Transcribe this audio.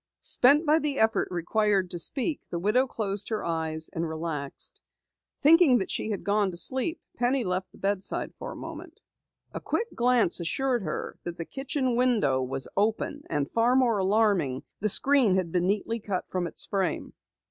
Spent by the effort required to speak, the widow closed her eyes, and relaxed. Thinking that she had gone to sleep, Penny left the bedside for a moment. A quick glance assured her that the kitchen window was open, and far more alarming, the screen had been neatly cut from its frame.